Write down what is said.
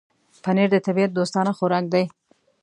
پنېر د طبيعت دوستانه خوراک دی.